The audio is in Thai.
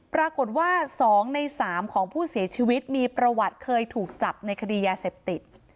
ปรากฏว่า๒ใน๓ของผู้เสียชีวิตมีประวัติเคยถูกจับในคดียาเสพติด